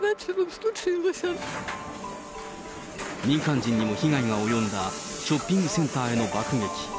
民間人にも被害が及んだショッピングセンターへの爆撃。